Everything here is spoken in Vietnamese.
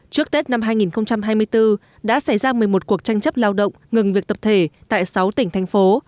trước tết năm hai nghìn hai mươi bốn đã xảy ra một mươi một cuộc tranh chấp lao động ngừng việc tập thể tại sáu tỉnh thành phố